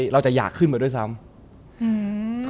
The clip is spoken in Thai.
เราจะอยากขึ้นมาด้วยซ้ำ